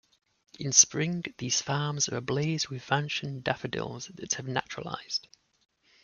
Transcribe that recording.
In spring, these farms are ablaze with Vansion daffodils that have naturalised.